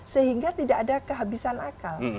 sehingga tidak ada kehabisan akal